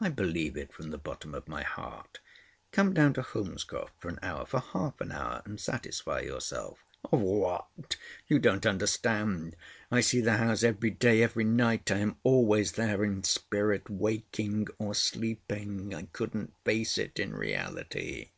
"I believe it from the bottom of my heart. Come down to Holmescroft for an hour—for half an hour and satisfy yourself." "Of what? You don't understand. I see the house every day—every night. I am always there in spirit—waking or sleeping. I couldn't face it in reality."